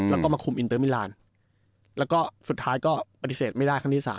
แล้วก็มาคุมอินเตอร์มิลานแล้วก็สุดท้ายก็ปฏิเสธไม่ได้ครั้งที่๓